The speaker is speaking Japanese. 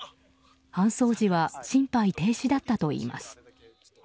搬送時は心肺停止だったといいます。